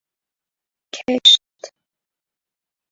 کشت